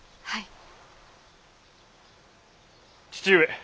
はい。